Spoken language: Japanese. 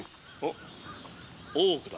ん大奥だ。